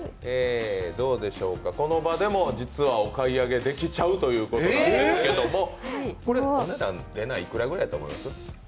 この場でも実はお買い上げできちゃうということなんですけど、これお値段、いくらぐらいだと思います？